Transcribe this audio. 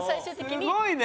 すごいね。